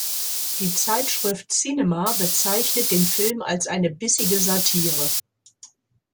Die Zeitschrift "Cinema" bezeichnete den Film als eine "„bissige Satire“".